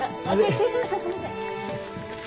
すみません。